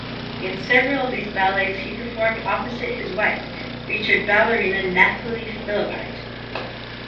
In several of these ballets he performed opposite his wife, featured ballerina Nathalie Philippart.